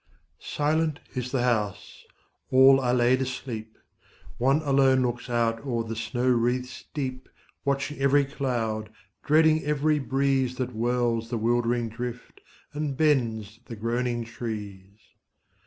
Silent is the house: all are laid asleep: One alone looks out o'er the snow wreaths deep, Watching every cloud, dreading every breeze That whirls the wildering drift, and bends the groaning trees.